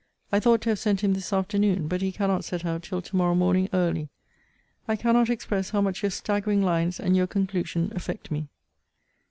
I thought to have sent him this afternoon; but he cannot set out till to morrow morning early. I cannot express how much your staggering lines and your conclusion affect me!